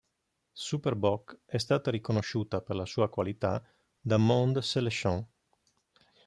Super Bock è stata riconosciuta per la sua qualità da Monde Selection.